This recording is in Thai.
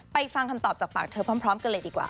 ฟังคำตอบจากปากเธอพร้อมกันเลยดีกว่า